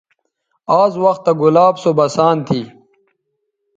آز وختہ گلاب سو بسان تھی